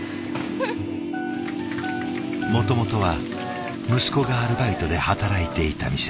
もともとは息子がアルバイトで働いていた店。